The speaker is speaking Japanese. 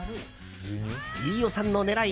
飯尾さんの狙い